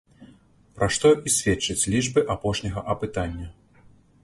Пра што і сведчаць лічбы апошняга апытання.